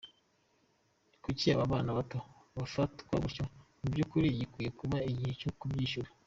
Kuki aba bana bato batafatwa gutyo, mu by’ukuri gikwiye kuba igihe cyo kubyishyura.